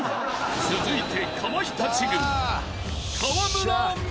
［続いて］